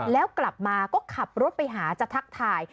แล้วกลับมาก็ขับรถไปหาจะทักทาย